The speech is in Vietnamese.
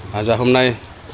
hà giang hôm nay